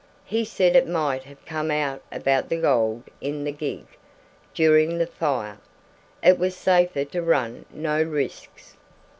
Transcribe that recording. He said it might have come out about the gold in the gig, during the fire. It was safer to run no risks.